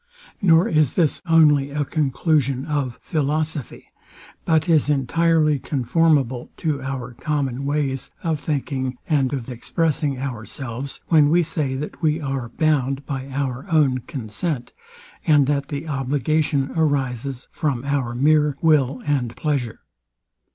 Nor is this only a conclusion of philosophy; but is entirely conformable to our common ways of thinking and of expressing ourselves, when we say that we are bound by our own consent, and that the obligation arises from our mere will and pleasure.